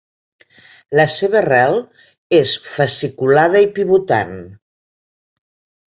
La seva rel és fasciculada i pivotant.